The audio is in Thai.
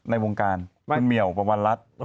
ในวงการคุณเหมียววันลัท